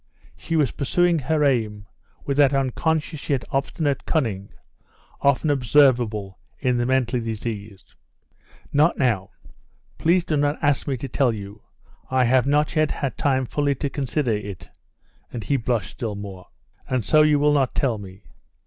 She was pursuing her aim with that unconscious yet obstinate cunning often observable in the mentally diseased. "Not now. Please do not ask me to tell you. I have not yet had time fully to consider it," and he blushed still more. "And so you will not tell me?"